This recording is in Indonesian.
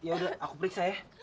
yaudah aku periksa ya